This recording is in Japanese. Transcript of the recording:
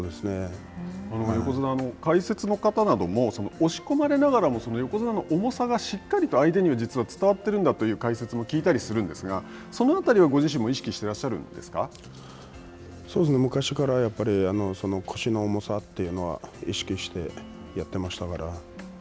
横綱、解説の方なども押し込まれながらも横綱の重さがしっかりと相手には実は伝わっているんだという解説も聞いたりするんですがそのあたりはご自身も昔から腰の重さというのは意識してやってましたから。